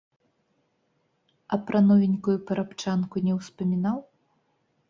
А пра новенькую парабчанку не ўспамінаў?